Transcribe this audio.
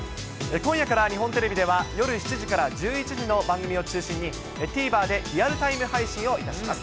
今夜から日本テレビでは、夜７時から１１時の番組を中心に、ＴＶｅｒでリアルタイム配信をいたします。